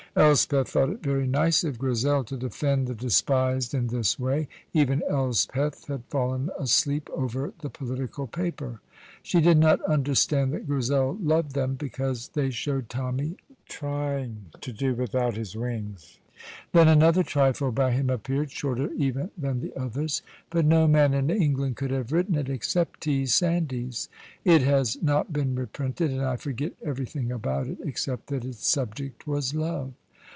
Elspeth thought it very nice of Grizel to defend the despised in this way (even Elspeth had fallen asleep over the political paper). She did not understand that Grizel loved them because they showed Tommy trying to do without his wings. Then another trifle by him appeared, shorter even than the others; but no man in England could have written it except T. Sandys. It has not been reprinted, and I forget everything about it except that its subject was love.